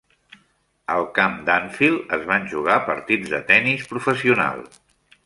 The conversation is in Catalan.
Al camp d'Anfield es van jugar partits de tenis professional.